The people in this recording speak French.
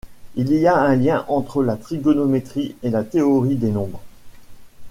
Il y a un lien entre la trigonométrie et la théorie des nombres.